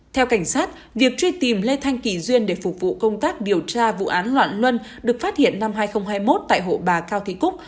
theo cảnh sát việc truy tìm lê thanh kỳ duyên để phục vụ công tác điều tra vụ án loạn luân được phát hiện năm hai nghìn hai mươi một tại hộ bà cao thị cúc